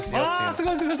すごいすごい！